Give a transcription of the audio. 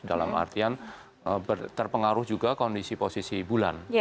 dalam artian terpengaruh juga kondisi posisi bulan